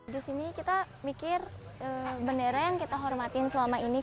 di sini kita mikir bendera yang kita hormatin selama ini